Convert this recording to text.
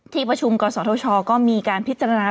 ที่ประชุมกศธชก็มีการพิจารณา